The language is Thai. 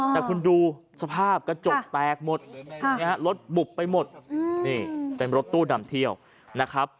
แต่คุณดูสภาพกระจกแตกหมดรถบุบไปหมดนี่เป็นรถตู้นำเที่ยวนะครับ